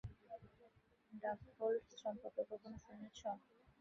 Darkhold সম্পর্কে কখনো শুনেছো?